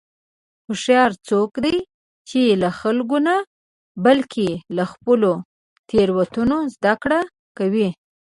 هوښیار څوک دی چې له خلکو نه، بلکې له خپلو تېروتنو زدهکړه کوي.